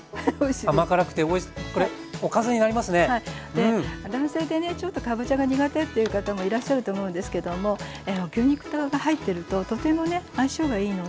で男性でねちょっとかぼちゃが苦手っていう方もいらっしゃると思うんですけども牛肉が入ってるととてもね相性がいいので。